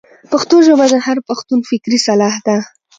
پښتو ژبه د هر پښتون فکري سلاح ده.